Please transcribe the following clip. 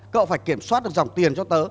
cậu phải kiểm soát được dòng tiền cho tớ